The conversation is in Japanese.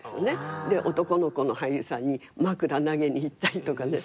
男の子の俳優さんに枕投げにいったりとかね。